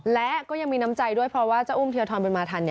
และก็ยังมีน้ำใจด้วยเพราะว่าเจ้าอุ้มเทียทรบุญมาทัน